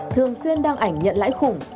thường xuyên đăng ảnh nhận lãi khủng